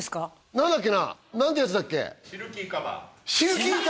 何だっけな何てやつだっけ？